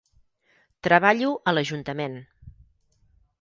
Treballo a lAjuntament.